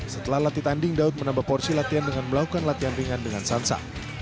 setelah latih tanding daud menambah porsi latihan dengan melakukan latihan ringan dengan sansa